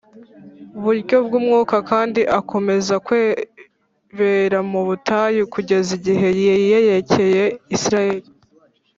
buryo bw umwuka kandi akomeza kwibera mu butayu kugeza igihe yiyerekeye Isirayeli